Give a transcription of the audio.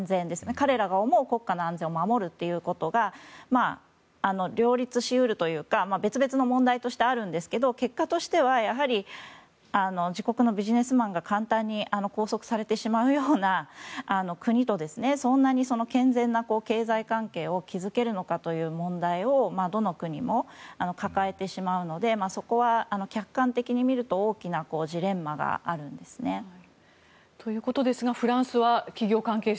彼らが思う国家の安全を守るということが両立し得るというか別々の問題としてあるんですが結果としては自国のビジネスマンが簡単に拘束されてしまうような国とそんなに健全な経済関係を築けるのかという問題をどの国も抱えてしまうのでそこは客観的に見ると大きなジレンマがあるんですね。ということですが、フランスは企業関係者